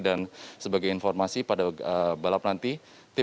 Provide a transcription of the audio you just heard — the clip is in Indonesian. dan sebagai informasi pada balap nanti